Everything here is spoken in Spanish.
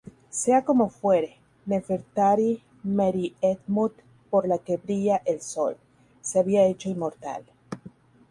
Sea como fuere, Nefertari-Meryetmut, por la que brilla el Sol, se había hecho inmortal.